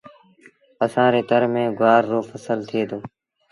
اسآݩ ري تر ميݩ گُوآر رو ڦسل ٿئي دو۔